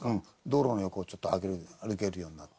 道路の横をちょっと歩けるようになってる。